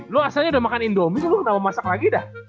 lu asalnya udah makan indomie lu kenapa masak lagi dah